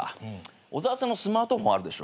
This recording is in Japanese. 小沢さんのスマートフォンあるでしょ。